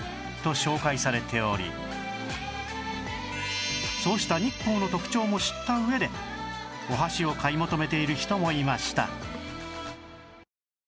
紹介されておりそうした日光の特長も知った上でお箸を買い求めている人もいました